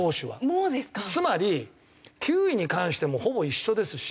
つまり球威に関してもほぼ一緒ですし。